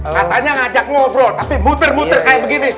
katanya ngajak ngobrol tapi muter muter kayak begini